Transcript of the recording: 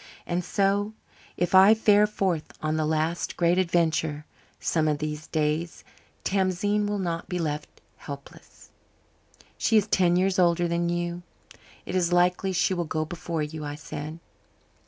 And so, if I fare forth on the last great adventure some of these days Tamzine will not be left helpless." "She is ten years older than you. It is likely she will go before you," I said.